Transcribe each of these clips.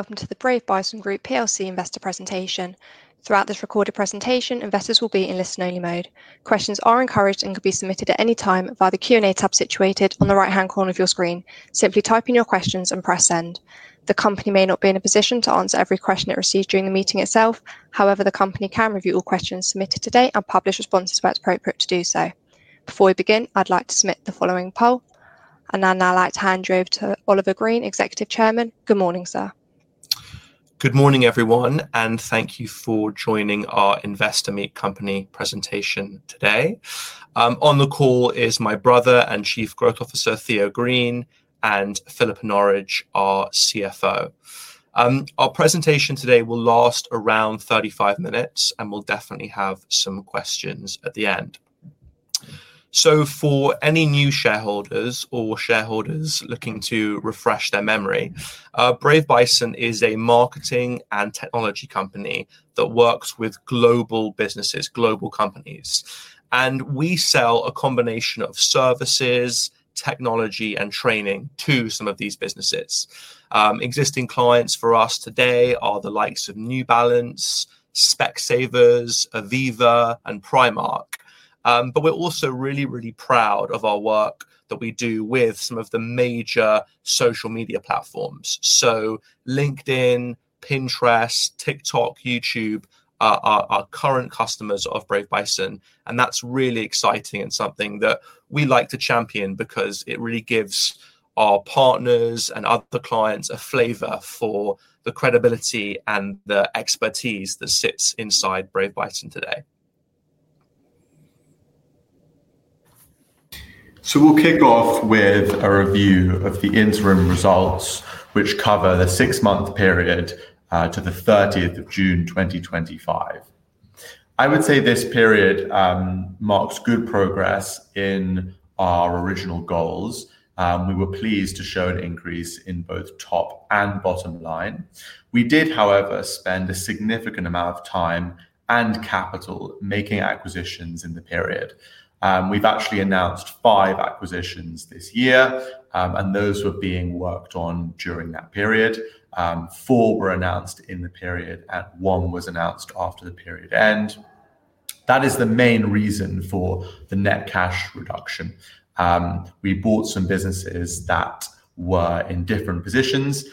Welcome to the Brave Bison PLC investor presentation. Throughout this recorded presentation, investors will be in listen-only mode. Questions are encouraged and can be submitted at any time via the Q&A tab situated on the right-hand corner of your screen. Simply type in your questions and press send. The company may not be in a position to answer every question it receives during the meeting itself. However, the company can review all questions submitted today and publish responses where it's appropriate to do so. Before we begin, I'd like to submit the following poll, and then I'd like to hand you over to Oliver Green, Executive Chairman. Good morning, sir. Good morning, everyone, and thank you for joining our Investor Meet Company presentation today. On the call is my brother and Chief Growth Officer, Theo Green, and Philippa Norridge, our CFO. Our presentation today will last around 35 minutes, and we'll definitely have some questions at the end. For any new shareholders or shareholders looking to refresh their memory, Brave Bison is a marketing and technology company that works with global businesses, global companies, and we sell a combination of services, technology, and training to some of these businesses. Existing clients for us today are the likes of New Balance, Specsavers, Aviva, and Primark. We're also really, really proud of our work that we do with some of the major social media platforms. LinkedIn, Pinterest, TikTok, and YouTube are our current customers of Brave Bison, and that's really exciting and something that we like to champion because it really gives our partners and other clients a flavor for the credibility and the expertise that sits inside Brave Bison today. We'll kick off with a review of the interim results, which cover the six-month period to the 30th of June 2025. I would say this period marks good progress in our original goals. We were pleased to show an increase in both top and bottom line. We did, however, spend a significant amount of time and capital making acquisitions in the period. We've actually announced five acquisitions this year, and those were being worked on during that period. Four were announced in the period, and one was announced after the period end. That is the main reason for the net cash reduction. We bought some businesses that were in different positions,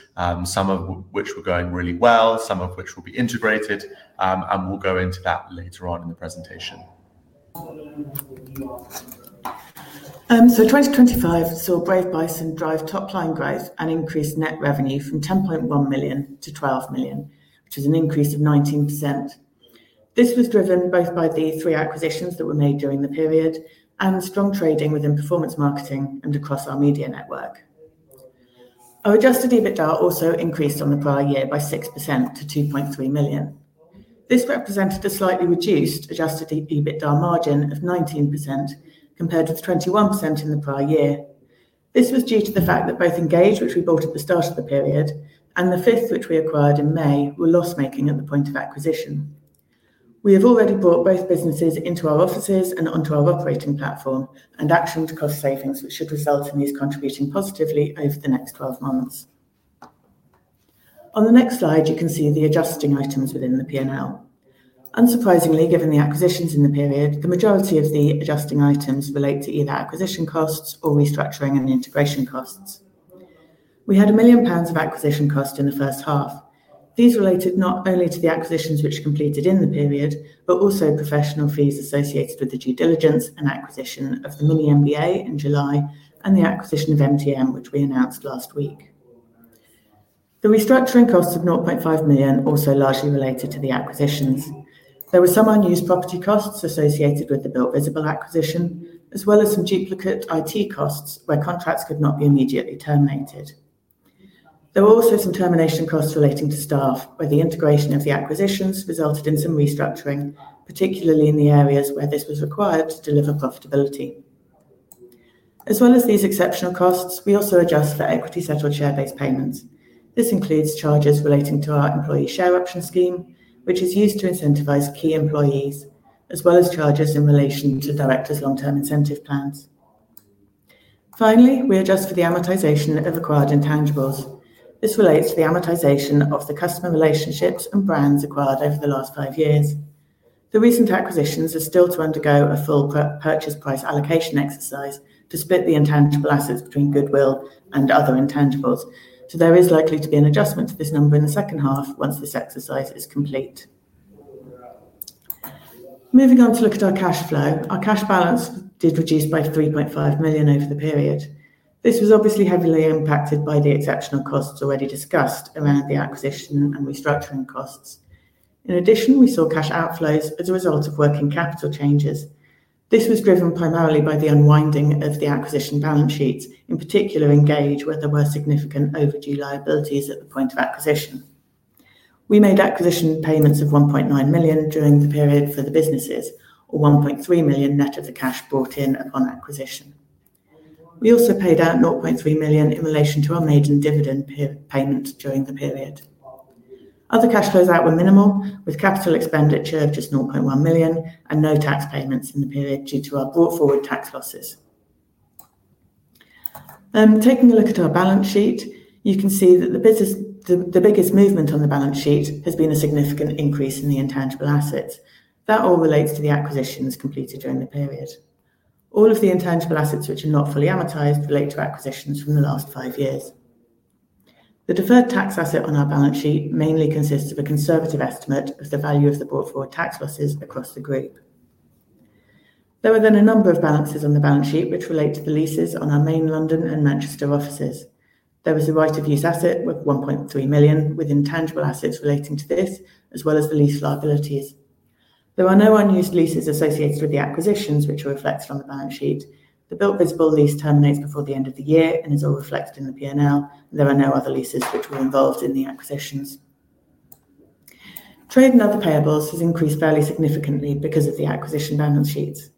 some of which were going really well, some of which will be integrated, and we'll go into that later on in the presentation. In 2025, Brave Bison drove top-line growth and increased net revenue from 10.1 million-12 million, which is an increase of 19%. This was driven both by the three acquisitions that were made during the period and the strong trading within performance marketing and across our media network. Our adjusted EBITDA also increased on the prior year by 6% to 2.3 million. This represented a slightly reduced adjusted EBITDA margin of 19% compared with 21% in the prior year. This was due to the fact that both Engage, which we bought at the start of the period, and The Fifth, which we acquired in May, were loss-making at the point of acquisition. We have already brought both businesses into our offices and onto our operating platform and actioned cost savings, which should result in these contributing positively over the next 12 months. On the next slide, you can see the adjusting items within the P&L. Unsurprisingly, given the acquisitions in the period, the majority of the adjusting items relate to either acquisition costs or restructuring and integration costs. We had EUR 1 million of acquisition costs in the first half. These related not only to the acquisitions which were completed in the period, but also professional fees associated with the due diligence and acquisition of the mini-MBA in July and the acquisition of MTM, which we announced last week. The restructuring costs of 0.5 million also largely related to the acquisitions. There were some unused property costs associated with the Built Visible acquisition, as well as some duplicate IT costs where contracts could not be immediately terminated. There were also some termination costs relating to staff where the integration of the acquisitions resulted in some restructuring, particularly in the areas where this was required to deliver profitability. As well as these exceptional costs, we also adjust for equity-settled share-based payments. This includes charges relating to our employee share option scheme, which is used to incentivize key employees, as well as charges in relation to directors' long-term incentive plans. Finally, we adjust for the amortization of acquired intangibles. This relates to the amortization of the customer relationships and brands acquired over the last five years. The recent acquisitions are still to undergo a full purchase price allocation exercise to split the intangible assets between goodwill and other intangibles. There is likely to be an adjustment to this number in the second half once this exercise is complete. Moving on to look at our cash flow, our cash balance did reduce by 3.5 million over the period. This was obviously heavily impacted by the exceptional costs already discussed around the acquisition and restructuring costs. In addition, we saw cash outflows as a result of working capital changes. This was driven primarily by the unwinding of the acquisition balance sheets, in particular Engage, where there were significant overdue liabilities at the point of acquisition. We made acquisition payments of 1.9 million during the period for the businesses, or 1.3 million net of the cash brought in upon acquisition. We also paid out 0.3 million in relation to our maiden dividend payment during the period. Other cash flows out were minimal, with capital expenditure of just 0.1 million and no tax payments in the period due to our brought-forward tax losses. Taking a look at our balance sheet, you can see that the biggest movement on the balance sheet has been a significant increase in the intangible assets. That all relates to the acquisitions completed during the period. All of the intangible assets which are not fully amortized relate to acquisitions from the last five years. The deferred tax asset on our balance sheet mainly consists of a conservative estimate of the value of the brought-forward tax losses across the group. There are then a number of balances on the balance sheet which relate to the leases on our main London and Manchester offices. There is a right-of-use asset worth 1.3 million with intangible assets relating to this, as well as the lease liabilities. There are no unused leases associated with the acquisitions which are reflected on the balance sheet. The Builtvisible lease terminates before the end of the year and is all reflected in the P&L, and there are no other leases which were involved in the acquisitions. Trade and other payables has increased fairly significantly because of the acquisition balance sheets.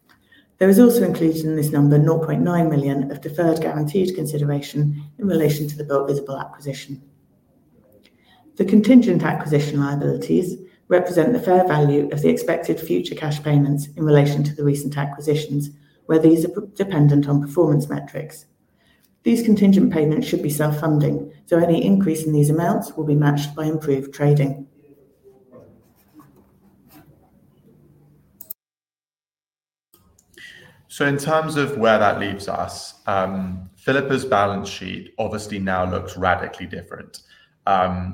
There is also included in this number 0.9 million of deferred guaranteed consideration in relation to the Builtvisible acquisition. The contingent acquisition liabilities represent the fair value of the expected future cash payments in relation to the recent acquisitions, where these are dependent on performance metrics. These contingent payments should be self-funding, so any increase in these amounts will be matched by improved trading. In terms of where that leaves us, Philippa's balance sheet obviously now looks radically different.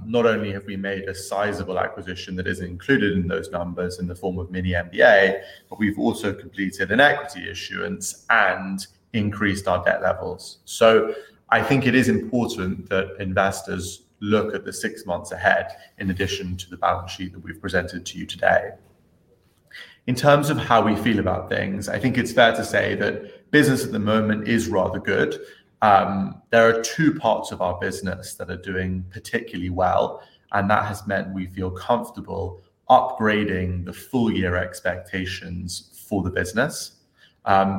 Not only have we made a sizable acquisition that is included in those numbers in the form of mini-MBA, but we've also completed an equity issuance and increased our debt levels. I think it is important that investors look at the six months ahead in addition to the balance sheet that we've presented to you today. In terms of how we feel about things, I think it's fair to say that business at the moment is rather good. There are two parts of our business that are doing particularly well, and that has meant we feel comfortable upgrading the full-year expectations for the business.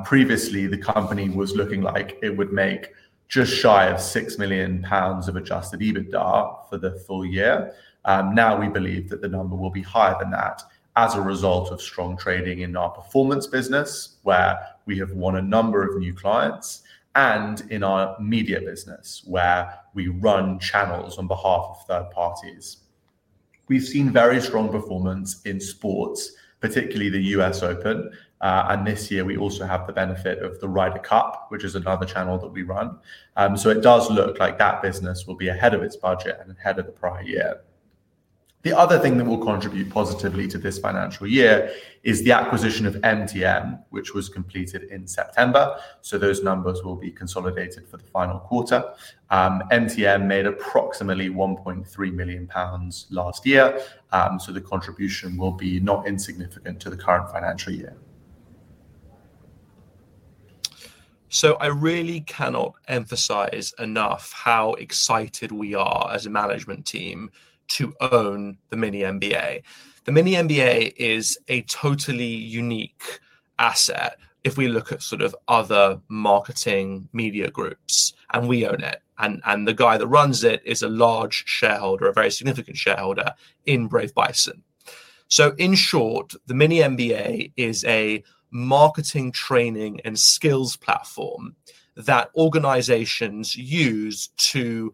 Previously, the company was looking like it would make just shy of EUR 6 million of adjusted EBITDA for the full year. Now we believe that the number will be higher than that as a result of strong trading in our performance business, where we have won a number of new clients, and in our media business, where we run channels on behalf of third parties. We've seen very strong performance in sports, particularly the US Open, and this year we also have the benefit of the Ryder Cup, which is another channel that we run. It does look like that business will be ahead of its budget and ahead of the prior year. The other thing that will contribute positively to this financial year is the acquisition of MTM, which was completed in September. Those numbers will be consolidated for the final quarter. MTM made approximately EUR 1.3 million last year, so the contribution will be not insignificant to the current financial year. I really cannot emphasize enough how excited we are as a management team to own the mini-MBA. The mini-MBA is a totally unique asset if we look at sort of other marketing media groups, and we own it, and the guy that runs it is a large shareholder, a very significant shareholder in Brave Bison. In short, the mini-MBA is a marketing training and skills platform that organizations use to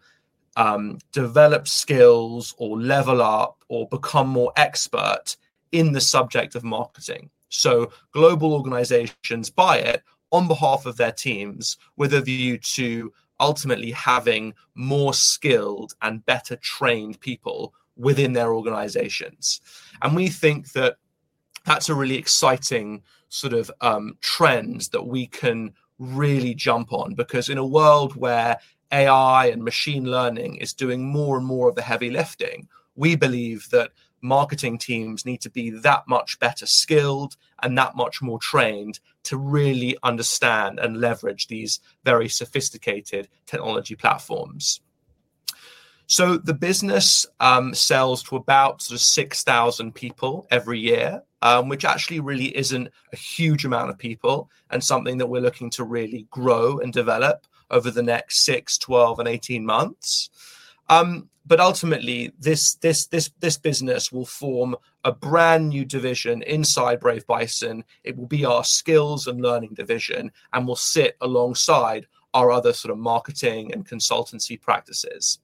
develop skills or level up or become more expert in the subject of marketing. Global organizations buy it on behalf of their teams, with a view to ultimately having more skilled and better trained people within their organizations. We think that that's a really exciting sort of trend that we can really jump on because in a world where AI and machine learning is doing more and more of the heavy lifting, we believe that marketing teams need to be that much better skilled and that much more trained to really understand and leverage these very sophisticated technology platforms. The business sells to about 6,000 people every year, which actually really isn't a huge amount of people and something that we're looking to really grow and develop over the next 6, 12, and 18 months. Ultimately, this business will form a brand new division inside Brave Bison. It will be our skills and learning division and will sit alongside our other sort of marketing and consultancy practices.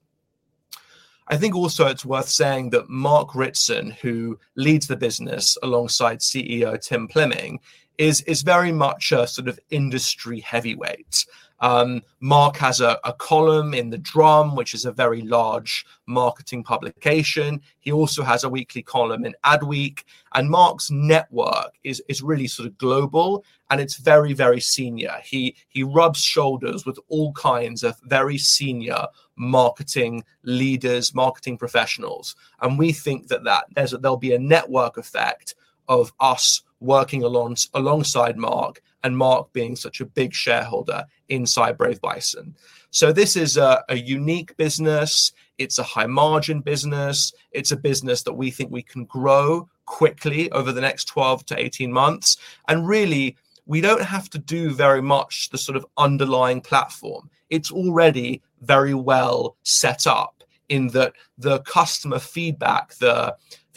I think also it's worth saying that Mark Ritson, who leads the business alongside CEO Tim Fleming, is very much a sort of industry heavyweight. Mark has a column in The Drum, which is a very large marketing publication. He also has a weekly column in Adweek, and Mark's network is really sort of global, and it's very, very senior. He rubs shoulders with all kinds of very senior marketing leaders, marketing professionals, and we think that there'll be a network effect of us working alongside Mark and Mark being such a big shareholder inside Brave Bison. This is a unique business. It's a high-margin business. It's a business that we think we can grow quickly over the next 12-18 months, and really, we don't have to do very much to sort of underline platform. It's already very well set up in that the customer feedback,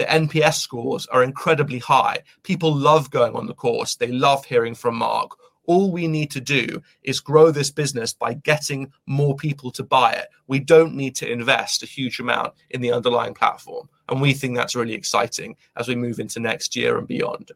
the NPS scores are incredibly high. People love going on the course. They love hearing from Mark. All we need to do is grow this business by getting more people to buy it. We don't need to invest a huge amount in the underlying platform, and we think that's really exciting as we move into next year and beyond.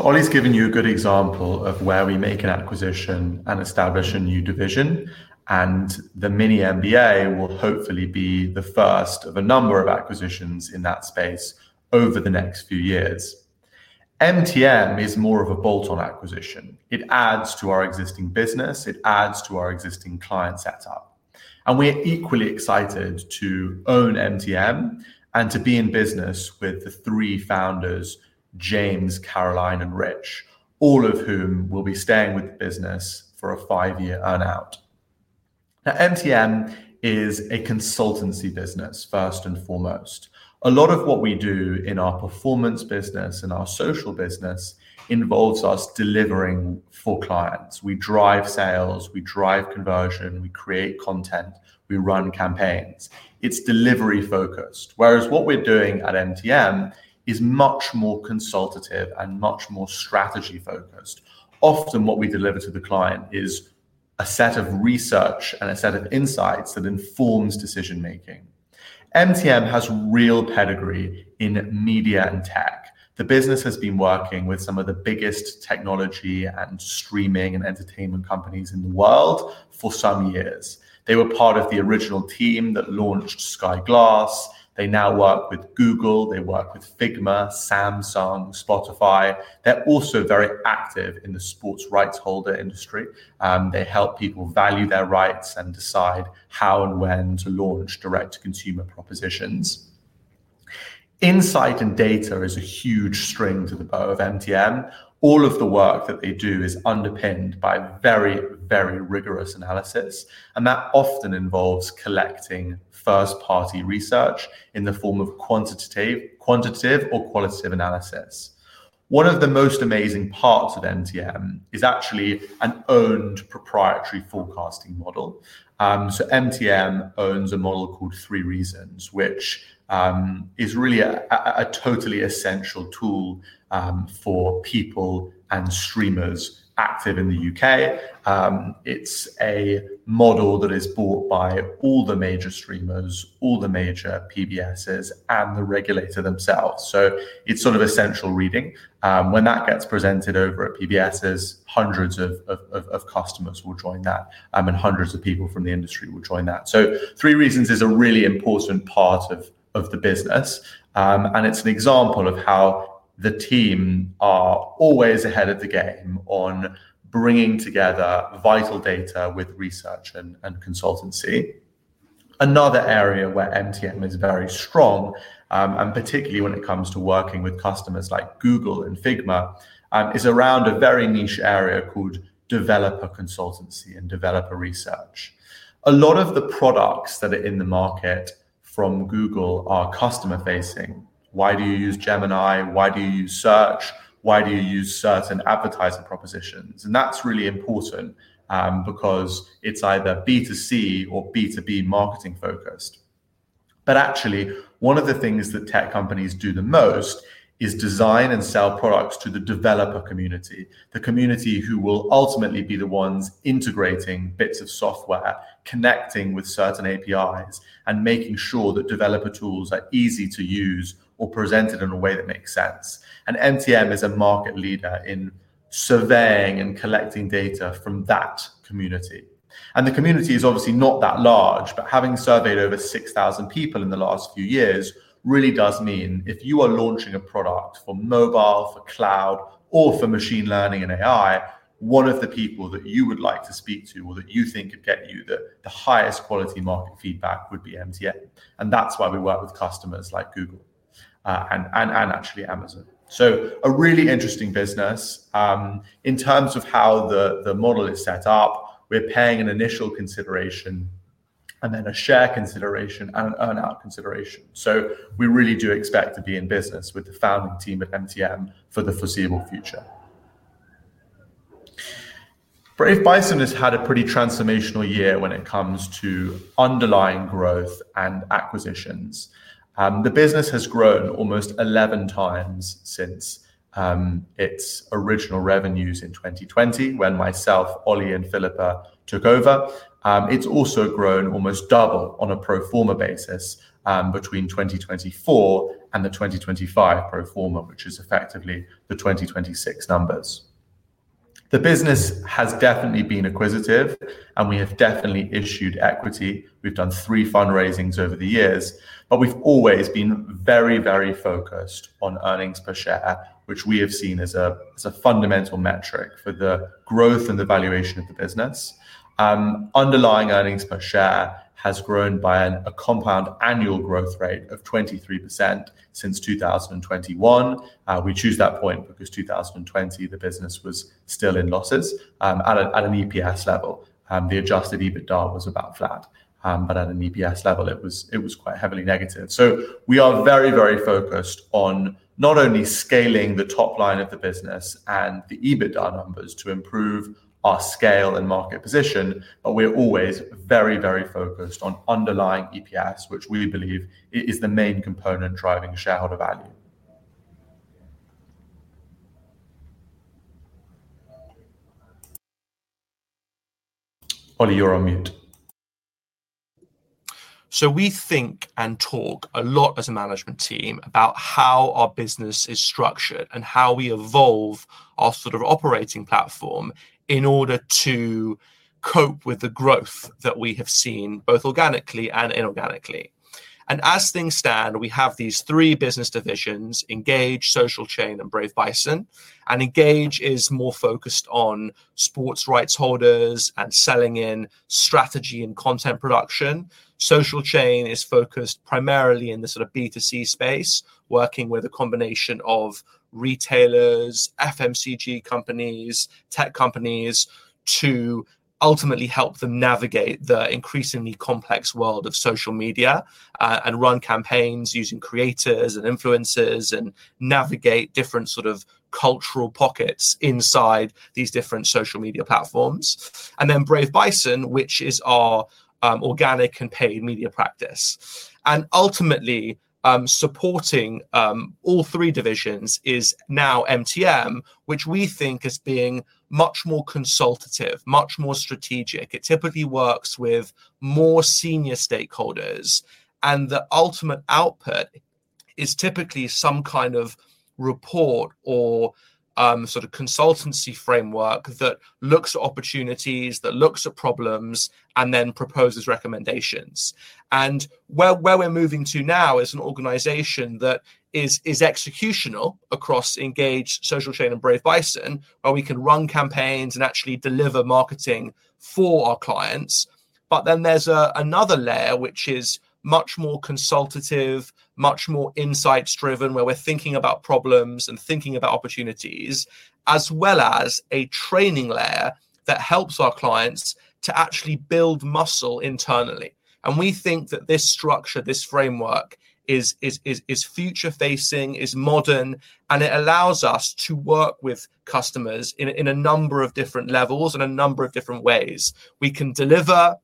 Ollie's given you a good example of where we make an acquisition and establish a new division, and the mini-MBA will hopefully be the first of a number of acquisitions in that space over the next few years. MTM is more of a bolt-on acquisition. It adds to our existing business. It adds to our existing client setup, and we're equally excited to own MTM and to be in business with the three founders, James, Caroline, and Rich, all of whom will be staying with the business for a five-year earnout. MTM is a consultancy business, first and foremost. A lot of what we do in our performance business and our social business involves us delivering for clients. We drive sales, we drive conversion, we create content, we run campaigns. It's delivery-focused, whereas what we're doing at MTM is much more consultative and much more strategy-focused. Often, what we deliver to the client is a set of research and a set of insights that informs decision-making. MTM has real pedigree in media and tech. The business has been working with some of the biggest technology and streaming and entertainment companies in the world for some years. They were part of the original team that launched Sky Glass. They now work with Google. They work with Figma, Samsung, Spotify. They're also very active in the sports rights holder industry. They help people value their rights and decide how and when to launch direct-to-consumer propositions. Insight and data is a huge string to the bow of MTM. All of the work that they do is underpinned by very, very rigorous analysis, and that often involves collecting first-party research in the form of quantitative or qualitative analysis. One of the most amazing parts with MTM is actually an owned proprietary forecasting model. MTM owns a model called Three Reasons, which is really a totally essential tool for people and streamers active in the UK. It's a model that is bought by all the major streamers, all the major PBSs, and the regulator themselves. It's sort of essential reading. When that gets presented over at PBSs, hundreds of customers will join that, and hundreds of people from the industry will join that. Three Reasons is a really important part of the business, and it's an example of how the team are always ahead of the game on bringing together vital data with research and consultancy. Another area where MTM is very strong, and particularly when it comes to working with customers like Google and Figma, is around a very niche area called developer consultancy and developer research. A lot of the products that are in the market from Google are customer-facing. Why do you use Gemini? Why do you use Search? Why do you use Search and advertiser propositions? That's really important because it's either B2C or B2B marketing-focused. One of the things that tech companies do the most is design and sell products to the developer community, the community who will ultimately be the ones integrating bits of software, connecting with certain APIs, and making sure that developer tools are easy to use or presented in a way that makes sense. MTM is a market leader in surveying and collecting data from that community. The community is obviously not that large, but having surveyed over 6,000 people in the last few years really does mean if you are launching a product for mobile, for cloud, or for machine learning and AI, one of the people that you would like to speak to or that you think could get you the highest quality market feedback would be MTM. That is why we work with customers like Google and actually Amazon. A really interesting business in terms of how the model is set up. We are paying an initial consideration and then a share consideration and an earnout consideration. We really do expect to be in business with the founding team at MTM for the foreseeable future. Brave Bison has had a pretty transformational year when it comes to underlying growth and acquisitions. The business has grown almost 11x since its original revenues in 2020, when myself, Ollie, and Philippa took over. It has also grown almost double on a pro forma basis between 2024 and the 2025 pro forma, which is effectively the 2026 numbers. The business has definitely been acquisitive, and we have definitely issued equity. We have done three fundraisings over the years, but we have always been very, very focused on earnings per share, which we have seen as a fundamental metric for the growth and the valuation of the business. Underlying earnings per share has grown by a compound annual growth rate of 23% since 2021. We choose that point because in 2020, the business was still in losses at an EPS level. The adjusted EBITDA was about flat, but at an EPS level, it was quite heavily negative. We are very, very focused on not only scaling the top line of the business and the EBITDA numbers to improve our scale and market position, but we are always very, very focused on underlying EPS, which we believe is the main component driving shareholder value. Ollie, you are on mute. We think and talk a lot as a management team about how our business is structured and how we evolve our sort of operating platform in order to cope with the growth that we have seen both organically and inorganically. As things stand, we have these three business divisions: Engage, Social Chain, and Brave Bison. Engage is more focused on sports rights holders and selling in strategy and content production. Social Chain is focused primarily in the sort of B2C space, working with a combination of retailers, FMCG companies, tech companies to ultimately help them navigate the increasingly complex world of social media and run campaigns using creators and influencers and navigate different sort of cultural pockets inside these different social media platforms. Brave Bison is our organic campaign media practice. Ultimately, supporting all three divisions is now MTM, which we think is being much more consultative, much more strategic. It typically works with more senior stakeholders, and the ultimate output is typically some kind of report or sort of consultancy framework that looks at opportunities, that looks at problems, and then proposes recommendations. Where we're moving to now is an organization that is executional across Engage, Social Chain, and Brave Bison, where we can run campaigns and actually deliver marketing for our clients. There is another layer which is much more consultative, much more insights-driven, where we're thinking about problems and thinking about opportunities, as well as a training layer that helps our clients to actually build muscle internally. We think that this structure, this framework is future-facing, is modern, and it allows us to work with customers in a number of different levels and a number of different ways. We can deliver,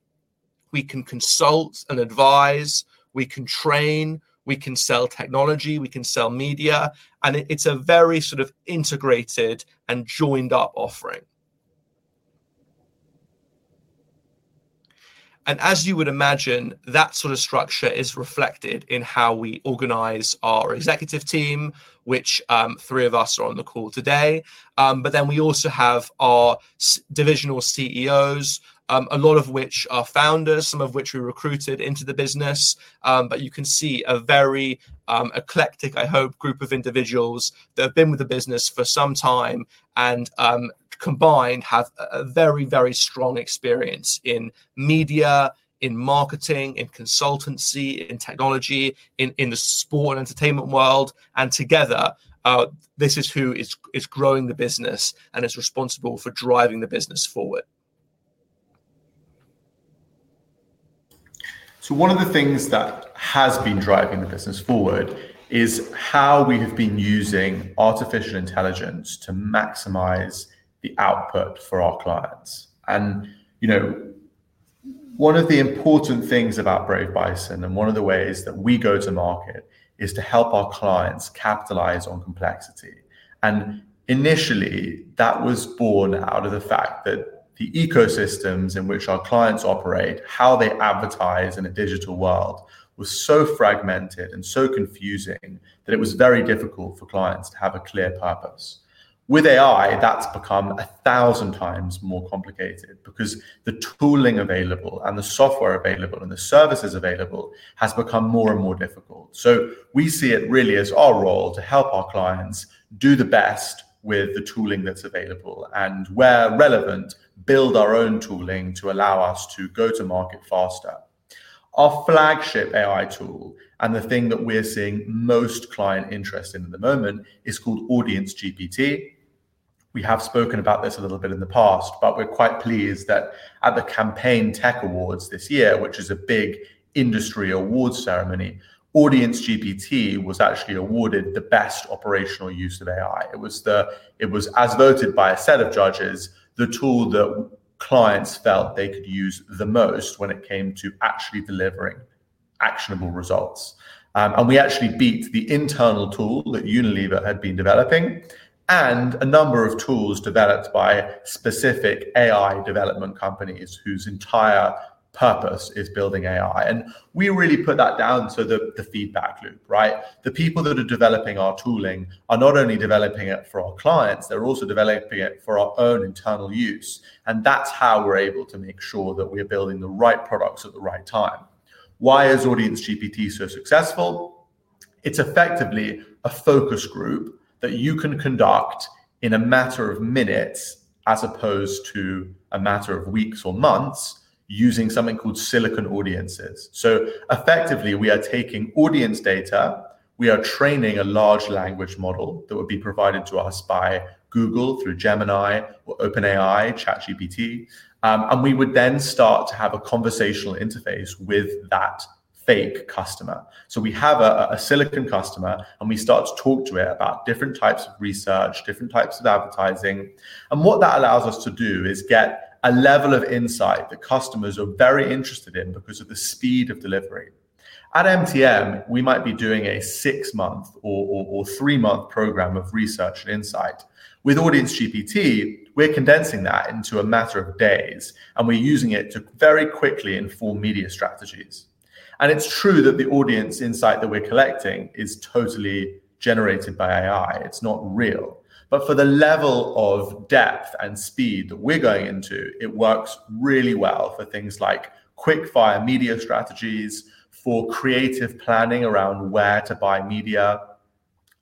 we can consult and advise, we can train, we can sell technology, we can sell media, and it's a very sort of integrated and joined-up offering. As you would imagine, that sort of structure is reflected in how we organize our executive team, which three of us are on the call today. We also have our divisional CEOs, a lot of which are founders, some of which we recruited into the business. You can see a very eclectic, I hope, group of individuals that have been with the business for some time and combined have a very, very strong experience in media, in marketing, in consultancy, in technology, in the sport and entertainment world. Together, this is who is growing the business and is responsible for driving the business forward. One of the things that has been driving the business forward is how we have been using artificial intelligence to maximize the output for our clients. One of the important things about Brave Bison and one of the ways that we go to market is to help our clients capitalize on complexity. Initially, that was born out of the fact that the ecosystems in which our clients operate, how they advertise in a digital world, were so fragmented and so confusing that it was very difficult for clients to have a clear purpose. With AI, that's become a thousand times more complicated because the tooling available and the software available and the services available have become more and more difficult. We see it really as our role to help our clients do the best with the tooling that's available and, where relevant, build our own tooling to allow us to go to market faster. Our flagship AI tool and the thing that we're seeing most client interest in at the moment is called Audience GPT. We have spoken about this a little bit in the past, but we're quite pleased that at the Campaign Tech Awards this year, which is a big industry awards ceremony, Audience GPT was actually awarded the best operational use of AI. It was, as voted by a set of judges, the tool that clients felt they could use the most when it came to actually delivering actionable results. We actually beat the internal tool that Unilever had been developing and a number of tools developed by specific AI development companies whose entire purpose is building AI. We really put that down to the feedback loop, right? The people that are developing our tooling are not only developing it for our clients, they're also developing it for our own internal use. That's how we're able to make sure that we're building the right products at the right time. Why is Audience GPT so successful? It's effectively a focus group that you can conduct in a matter of minutes as opposed to a matter of weeks or months using something called silicon audiences. Effectively, we are taking audience data, we are training a large language model that would be provided to us by Google through Gemini or OpenAI, ChatGPT, and we would then start to have a conversational interface with that fake customer. We have a silicon customer and we start to talk to it about different types of research, different types of advertising. What that allows us to do is get a level of insight that customers are very interested in because of the speed of delivery. At MTM, we might be doing a six-month or three-month program of research and insight. With Audience GPT, we're condensing that into a matter of days, and we're using it to very quickly inform media strategies. It's true that the audience insight that we're collecting is totally generated by AI. It's not real. For the level of depth and speed that we're going into, it works really well for things like quick-fire media strategies, for creative planning around where to buy media,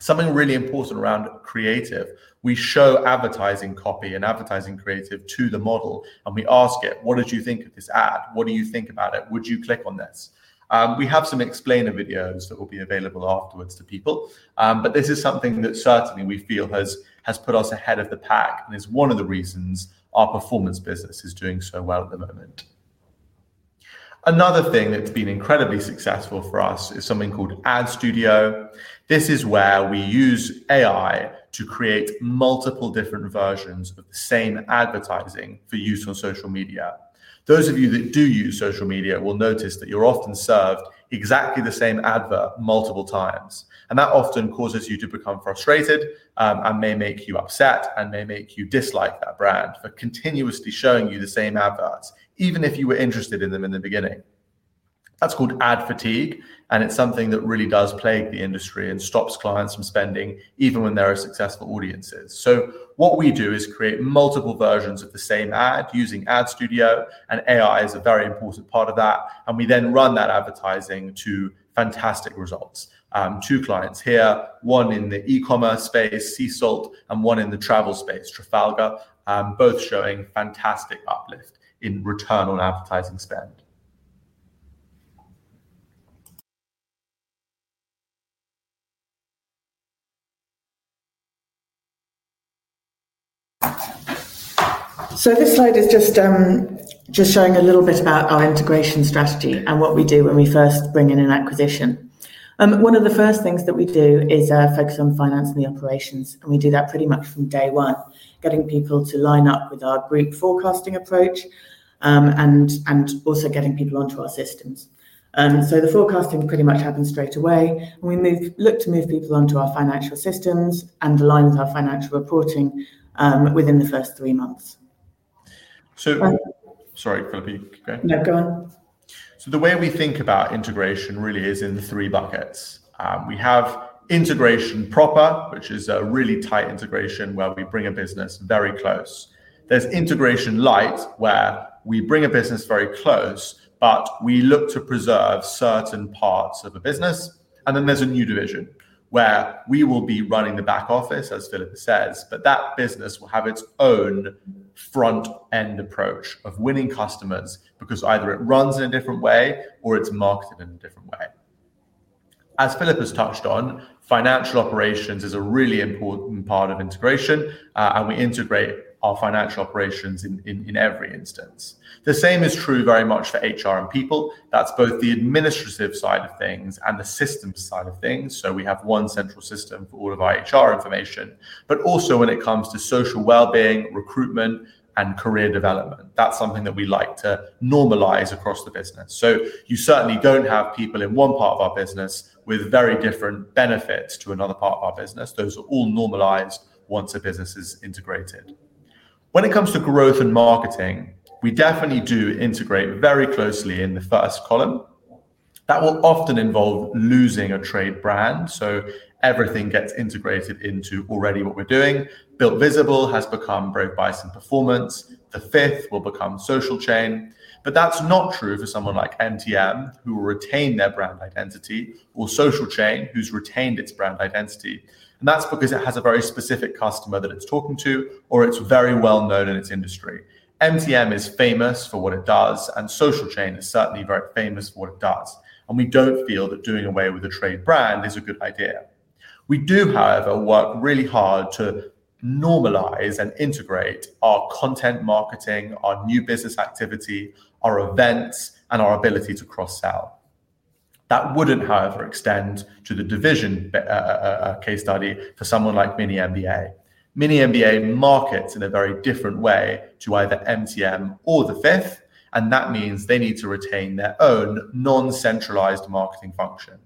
something really important around creative. We show advertising copy and advertising creative to the model and we ask it, "What did you think of this ad? What do you think about it? Would you click on this?" We have some explainer videos that will be available afterwards to people. This is something that certainly we feel has put us ahead of the pack and is one of the reasons our performance business is doing so well at the moment. Another thing that's been incredibly successful for us is something called Ad Studio. This is where we use AI to create multiple different versions of the same advertising for use on social media. Those of you that do use social media will notice that you're often served exactly the same advert multiple times. That often causes you to become frustrated and may make you upset and may make you dislike that brand for continuously showing you the same adverts, even if you were interested in them in the beginning. That's called ad fatigue, and it's something that really does plague the industry and stops clients from spending even when there are successful audiences. What we do is create multiple versions of the same ad using Ad Studio, and AI is a very important part of that. We then run that advertising to fantastic results. Two clients here, one in the e-commerce space, Sea Salt, and one in the travel space, Trafalgar, both showing fantastic uplift in return on advertising spend. This slide is just showing a little bit about our integration strategy and what we do when we first bring in an acquisition. One of the first things that we do is focus on finance and the operations, and we do that pretty much from day one, getting people to line up with our group forecasting approach and also getting people onto our systems. The forecasting pretty much happens straight away, and we look to move people onto our financial systems and align with our financial reporting within the first three months. The way we think about integration really is in three buckets. We have integration proper, which is a really tight integration where we bring a business very close. There's integration light, where we bring a business very close, but we look to preserve certain parts of a business. Then there's a new division where we will be running the back office, as Philippa says, but that business will have its own front-end approach of winning customers because either it runs in a different way or it's marketed in a different way. As Philippa's touched on, financial operations is a really important part of integration, and we integrate our financial operations in every instance. The same is true very much for HR and people. That's both the administrative side of things and the system side of things. We have one central system for all of our HR information, but also when it comes to social wellbeing, recruitment, and career development. That's something that we like to normalize across the business. You certainly don't have people in one part of our business with very different benefits to another part of our business. Those are all normalized once a business is integrated. When it comes to growth and marketing, we definitely do integrate very closely in the first column. That will often involve losing a trade brand, so everything gets integrated into already what we're doing. Builtvisible has become Brave Bison Performance. The Fifth will become Social Chain, but that's not true for someone like MTM, who will retain their brand identity, or Social Chain, who's retained its brand identity. That's because it has a very specific customer that it's talking to, or it's very well known in its industry. MTM is famous for what it does, and Social Chain is certainly very famous for what it does. We don't feel that doing away with the trade brand is a good idea. We do, however, work really hard to normalize and integrate our content marketing, our new business activity, our events, and our ability to cross-sell. That wouldn't, however, extend to the division case study for someone like mini-MBA. Mini-MBA markets in a very different way to either MTM or The Fifth, and that means they need to retain their own non-centralized marketing function.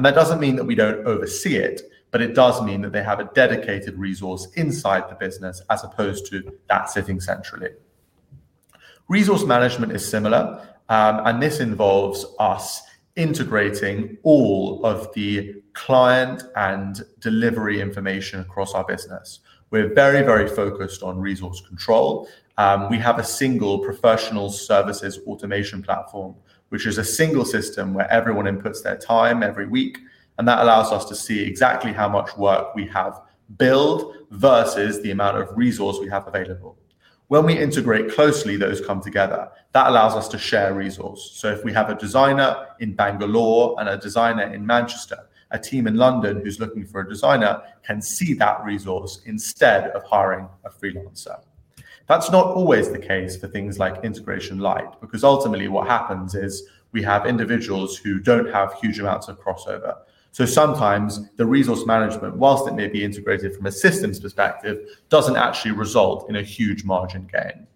That doesn't mean that we don't oversee it, but it does mean that they have a dedicated resource inside the business as opposed to that sitting centrally. Resource management is similar, and this involves us integrating all of the client and delivery information across our business. We're very, very focused on resource control. We have a single professional services automation platform, which is a single system where everyone inputs their time every week, and that allows us to see exactly how much work we have billed versus the amount of resource we have available. When we integrate closely, those come together. That allows us to share resources. If we have a designer in Bangalore and a designer in Manchester, a team in London who's looking for a designer can see that resource instead of hiring a freelancer. That's not always the case for things like integration light because ultimately what happens is we have individuals who don't have huge amounts of crossover. Sometimes the resource management, whilst it may be integrated from a systems perspective, doesn't actually result in a huge margin gain.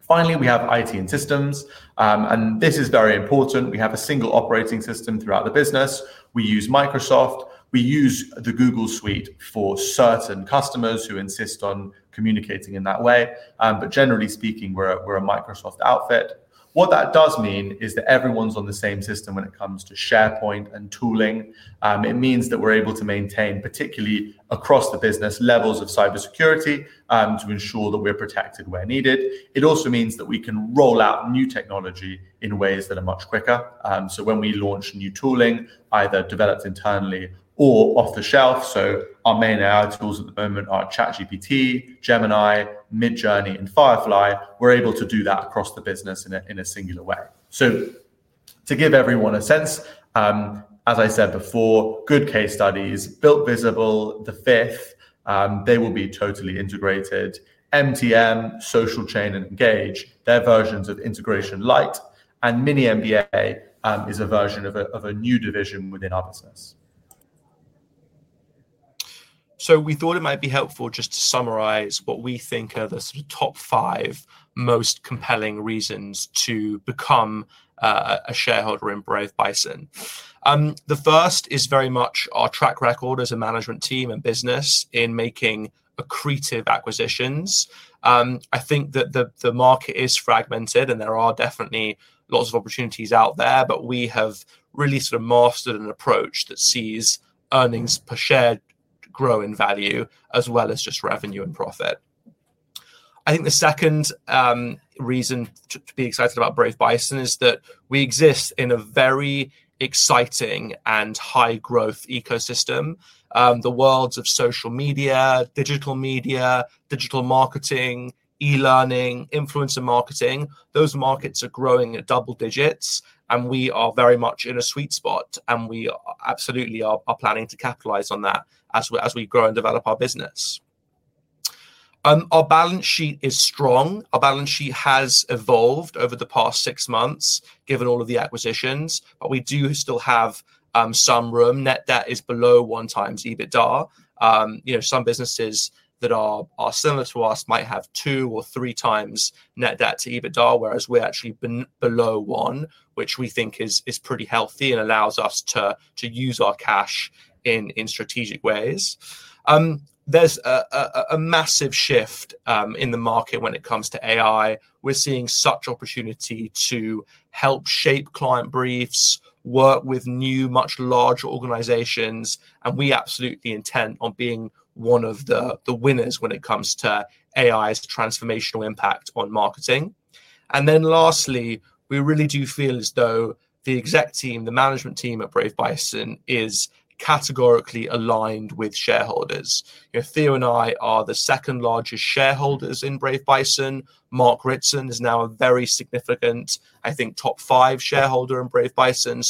Finally, we have IT and systems, and this is very important. We have a single operating system throughout the business. We use Microsoft. We use the Google suite for certain customers who insist on communicating in that way, but generally speaking, we're a Microsoft outfit. What that does mean is that everyone's on the same system when it comes to SharePoint and tooling. It means that we're able to maintain, particularly across the business, levels of cybersecurity to ensure that we're protected where needed. It also means that we can roll out new technology in ways that are much quicker. When we launch new tooling, either developed internally or off the shelf, our main AI tools at the moment are ChatGPT, Gemini, Midjourney, and Firefly. We're able to do that across the business in a singular way. To give everyone a sense, as I said before, good case studies, Built Visible, The Fifth, they will be totally integrated. MTM, Social Chain, and Engage, they're versions of integration light, and mini-MBA is a version of a new division within others. We thought it might be helpful just to summarize what we think are the top five most compelling reasons to become a shareholder in Brave Bison. The first is very much our track record as a management team and business in making accretive acquisitions. I think that the market is fragmented and there are definitely lots of opportunities out there, but we have really sort of mastered an approach that sees earnings per share grow in value as well as just revenue and profit. I think the second reason to be excited about Brave Bison is that we exist in a very exciting and high-growth ecosystem. The worlds of social media, digital media, digital marketing, e-learning, influencer marketing, those markets are growing at double digits, and we are very much in a sweet spot, and we absolutely are planning to capitalize on that as we grow and develop our business. Our balance sheet is strong. Our balance sheet has evolved over the past six months given all of the acquisitions, but we do still have some room. Net debt is below one times EBITDA. Some businesses that are similar to us might have two or three times net debt to EBITDA, whereas we're actually below one, which we think is pretty healthy and allows us to use our cash in strategic ways. There's a massive shift in the market when it comes to AI. We're seeing such opportunity to help shape client briefs, work with new, much larger organizations, and we absolutely intend on being one of the winners when it comes to AI's transformational impact on marketing. Lastly, we really do feel as though the exec team, the management team at Brave Bison, is categorically aligned with shareholders. Theo and I are the second largest shareholders in Brave Bison. Mark Ritson is now a very significant, I think, top five shareholder in Brave Bison.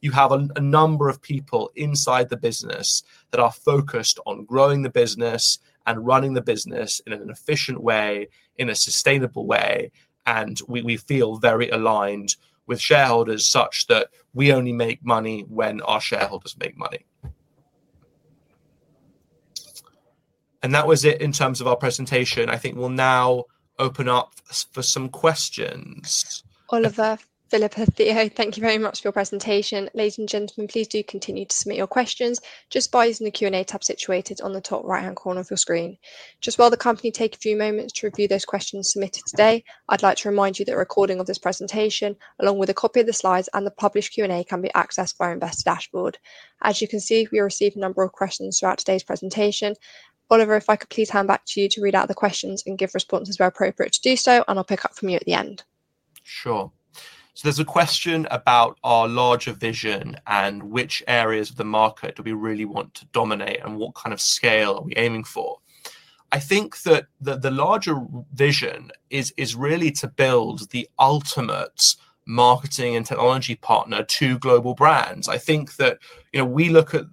You have a number of people inside the business that are focused on growing the business and running the business in an efficient way, in a sustainable way, and we feel very aligned with shareholders such that we only make money when our shareholders make money. That was it in terms of our presentation. I think we'll now open up for some questions. Oliver, Philippa, Theo, thank you very much for your presentation. Ladies and gentlemen, please do continue to submit your questions just by using the Q&A tab situated on the top right-hand corner of your screen. While the company takes a few moments to review those questions submitted today, I'd like to remind you that the recording of this presentation, along with a copy of the slides and the published Q&A, can be accessed by our investor dashboard. As you can see, we received a number of questions throughout today's presentation. Oliver, if I could please hand back to you to read out the questions and give responses where appropriate to do so, and I'll pick up from you at the end. Sure. There's a question about our larger vision and which areas of the market do we really want to dominate and what kind of scale are we aiming for? I think that the larger vision is really to build the ultimate marketing and technology partner to global brands. I think that we look at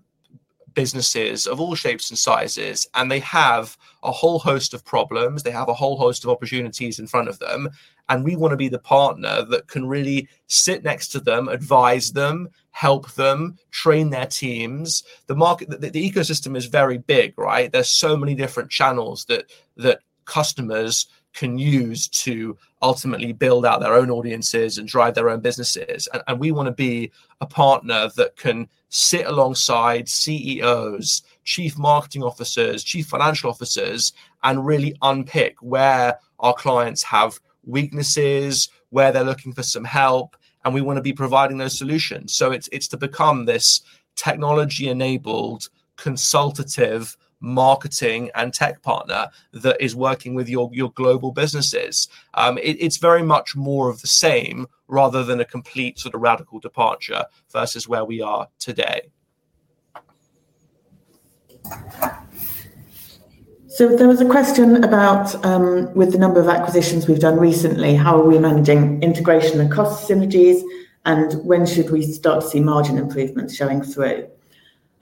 businesses of all shapes and sizes, and they have a whole host of problems. They have a whole host of opportunities in front of them, and we want to be the partner that can really sit next to them, advise them, help them, train their teams. The ecosystem is very big, right? There are so many different channels that customers can use to ultimately build out their own audiences and drive their own businesses. We want to be a partner that can sit alongside CEOs, Chief Marketing Officers, Chief Financial Officers, and really unpick where our clients have weaknesses, where they're looking for some help, and we want to be providing those solutions. It's to become this technology-enabled, consultative marketing and tech partner that is working with your global businesses. It's very much more of the same rather than a complete sort of radical departure versus where we are today. There was a question about, with the number of acquisitions we've done recently, how are we managing integration and cost synergies, and when should we start to see margin improvements showing through?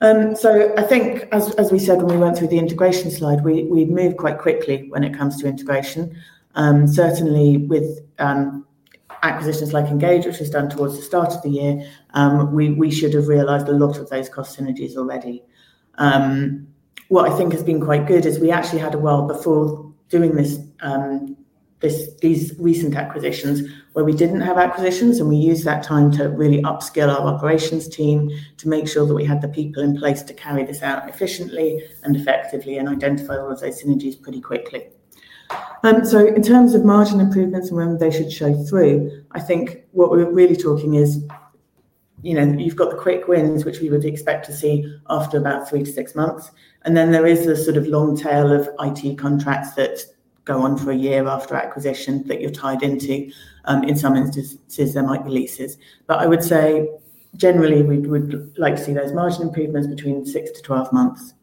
I think, as we said when we went through the integration slide, we've moved quite quickly when it comes to integration. Certainly, with acquisitions like Engage, which was done towards the start of the year, we should have realized a lot of those cost synergies already. What I think has been quite good is we actually had a while before doing these recent acquisitions where we didn't have acquisitions, and we used that time to really upskill our operations team to make sure that we had the people in place to carry this out efficiently and effectively and identify all of those synergies pretty quickly. In terms of margin improvements and when they should show through, I think what we're really talking is, you've got the quick wins, which we would expect to see after about three to six months, and then there is a sort of long tail of IT contracts that go on for a year after acquisition that you're tied into. In some instances, there might be leases, but I would say generally we would like to see those margin improvements between 6 to 12 months.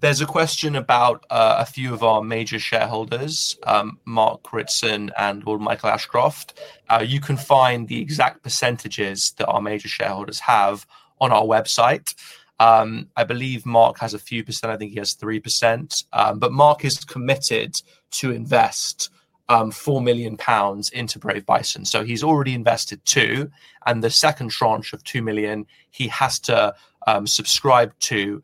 There's a question about a few of our major shareholders, Mark Ritson and Lord Michael Ashcroft. You can find the exact percentages that our major shareholders have on our website. I believe Mark has a few %. I think he has 3%, but Mark is committed to invest EUR 4 million into Brave Bison. He's already invested 2 million, and the second tranche of 2 million, he has to subscribe to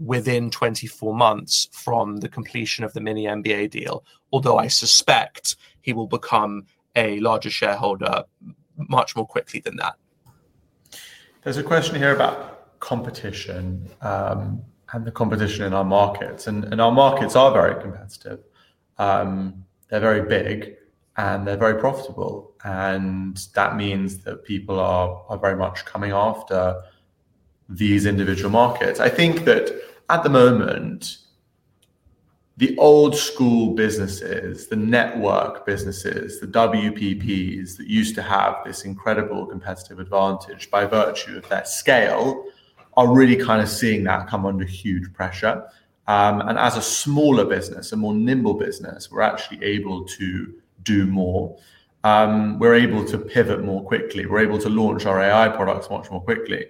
within 24 months from the completion of the mini-MBA deal, although I suspect he will become a larger shareholder much more quickly than that. There's a question here about competition and the competition in our markets, and our markets are very competitive. They're very big, and they're very profitable, and that means that people are very much coming after these individual markets. I think that at the moment, the old school businesses, the network businesses, the WPPs that used to have this incredible competitive advantage by virtue of their scale are really kind of seeing that come under huge pressure. As a smaller business, a more nimble business, we're actually able to do more. We're able to pivot more quickly. We're able to launch our AI products much more quickly.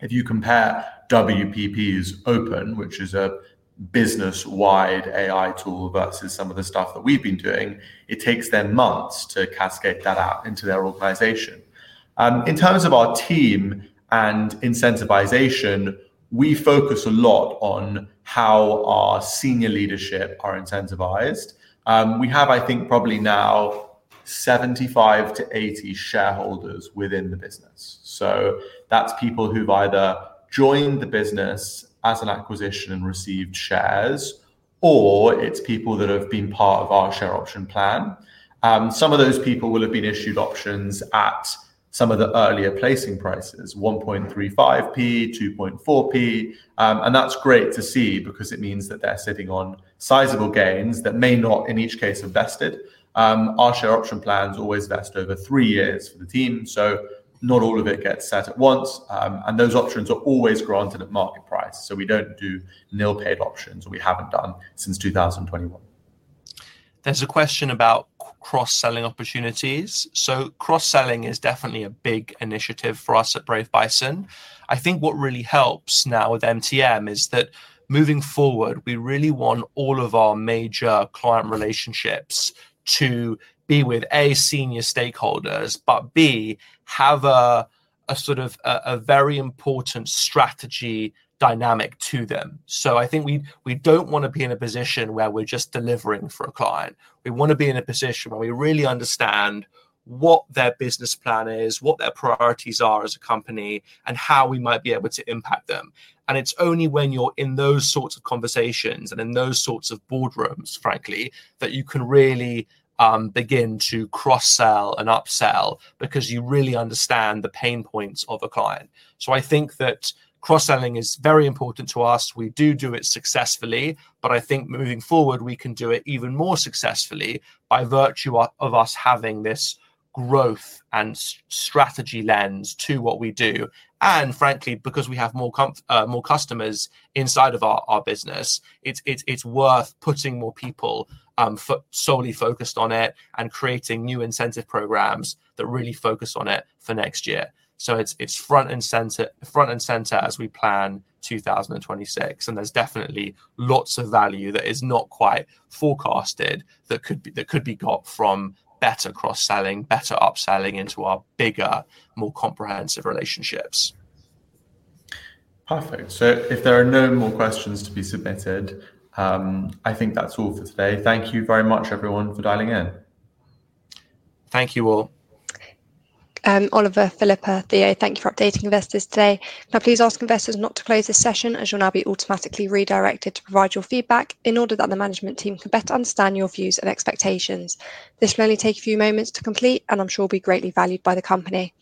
If you compare WPP's Open, which is a business-wide AI tool, vs some of the stuff that we've been doing, it takes them months to cascade that app into their organization. In terms of our team and incentivization, we focus a lot on how our Senior Leadership are incentivized. We have, I think, probably now 75-80 shareholders within the business. That's people who've either joined the business as an acquisition and received shares, or it's people that have been part of our share option plan. Some of those people will have been issued options at some of the earlier placing prices, 0.0135, 0.024, and that's great to see because it means that they're sitting on sizable gains that may not, in each case, have vested. Our share option plans always vest over three years for the team, so not all of it gets set at once, and those options are always granted at market price. We don't do nil paid options, and we haven't done since 2021. There's a question about cross-selling opportunities. Cross-selling is definitely a big initiative for us at Brave Bison. I think what really helps now with MTM is that moving forward, we really want all of our major client relationships to be with A, senior stakeholders, but B, have a sort of very important strategy dynamic to them. I think we don't want to be in a position where we're just delivering for a client. We want to be in a position where we really understand what their business plan is, what their priorities are as a company, and how we might be able to impact them. It's only when you're in those sorts of conversations and in those sorts of boardrooms, frankly, that you can really begin to cross-sell and upsell because you really understand the pain points of a client. I think that cross-selling is very important to us. We do do it successfully, but I think moving forward, we can do it even more successfully by virtue of us having this growth and strategy lens to what we do. Frankly, because we have more customers inside of our business, it's worth putting more people solely focused on it and creating new incentive programs that really focus on it for next year. It's front and center as we plan 2026, and there's definitely lots of value that is not quite forecasted that could be got from better cross-selling, better upselling into our bigger, more comprehensive relationships. Perfect. If there are no more questions to be submitted, I think that's all for today. Thank you very much, everyone, for dialing in. Thank you all. Oliver, Philippa, Theo, thank you for updating investors today. Now, please ask investors not to close this session as you'll now be automatically redirected to provide your feedback in order that the management team can better understand your views and expectations. This will only take a few moments to complete, and I'm sure it will be greatly valued by the company.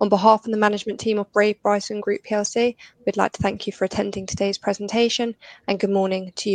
On behalf of the management team of Brave Bison Group PLC, we'd like to thank you for attending today's presentation and good morning to you.